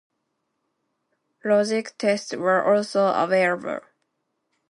Logic tests were also available.